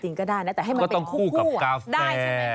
จริงก็ได้แต่ให้มันเป็นคู่กับกาแฟ